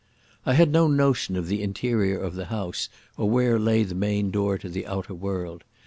I had no notion of the interior of the house or where lay the main door to the outer world.